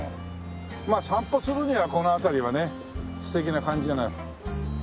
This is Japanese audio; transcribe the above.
まあ散歩するにはこの辺りはね素敵な感じじゃない。